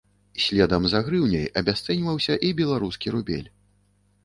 Следам за грыўняй абясцэньваўся і беларускі рубель.